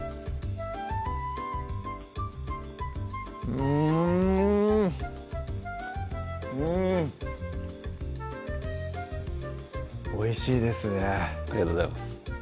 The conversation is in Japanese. うんうんおいしいですねありがとうございます